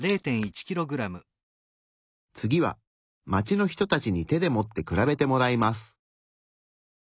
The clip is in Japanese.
次は街の人たちに手で持って比べてもらいます。